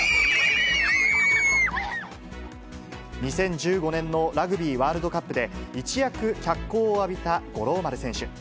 ２０１５年のラグビーワールドカップで、一躍脚光を浴びた五郎丸選手。